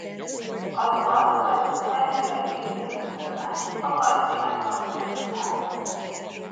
Az Alföld szerbiai részének zöme a Vajdaságban terül el.